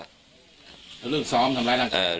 แล้วเรื่องซ้อมทำไรล่ะครับ